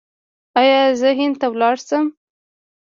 ایا زه هند ته لاړ شم؟